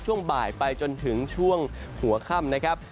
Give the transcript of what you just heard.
จนถึงช่วงหัวค่ำนะครับ